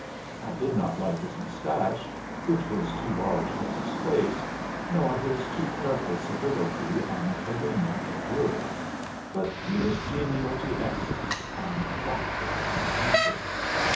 I did not like his mustache, which was too large for his face, nor his too careful civility and arrangement of words; but he was genial to excess, and thoughtful of my comfort.